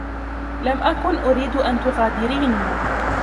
لم أكن أريد أن تغادريني.